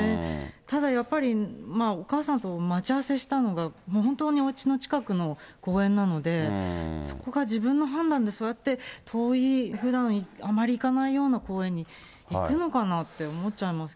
ただやっぱり、お母さんと待ち合わせしたのが、もう本当におうちの近くの公園なので、そこが自分の判断でそうやって遠い、ふだんあまり行かないような公園に行くのかなって思っちゃいます